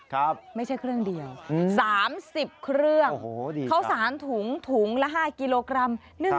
ครับไม่ใช่เครื่องเดียว๓๐เครื่องเข้า๓ถุงถุงละ๕กิโลกรัม